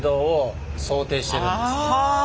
はあ。